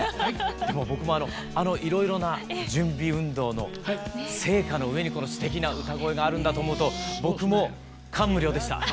僕もあのいろいろな準備運動の成果の上にこのすてきな歌声があるんだと思うと僕も感無量でした。